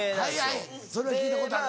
はいはい聞いたことある。